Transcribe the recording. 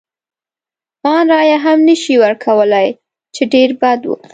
ان رایه هم نه شي ورکولای، چې ډېر بد و.